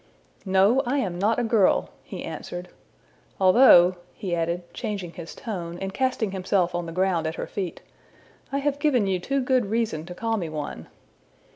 '' ``No, I am not a girl,'' he answered; `` although,'' he added, changing his tone, and casting himself on the ground at her feet, ``I have given you too good reason to call me one.''